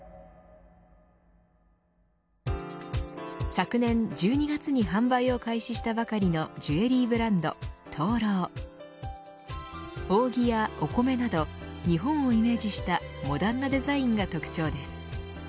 昨年１２月に販売を開始したばかりのジュエリーブランドＴＯＵＲＯＵ扇やお米など日本をイメージしたモダンなデザインが特徴です。